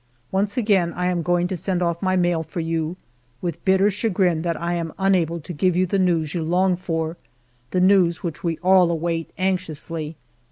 Once again I am going to send off my mail for you, with bitter chagrin that I am unable to give you the news you long for, the news which we all await anxiously.